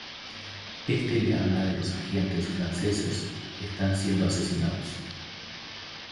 Este le habla de los agentes franceses que están siendo asesinados.